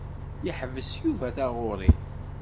Yeḥbes Yuba taɣuri.